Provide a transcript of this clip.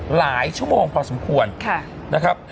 หลายชั่วโมงพอสมควรนะครับ